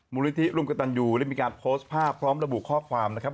มูลนิธิร่วมกับตันยูได้มีการโพสต์ภาพพร้อมระบุข้อความนะครับ